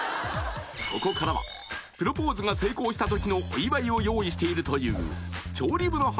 ここからはプロポーズが成功した時のお祝いを用意しているという